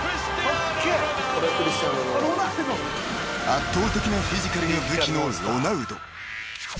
［圧倒的なフィジカルが武器のロナウド］